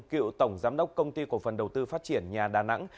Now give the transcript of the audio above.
cựu tổng giám đốc công ty cổ phần đầu tư phát triển nhà đà nẵng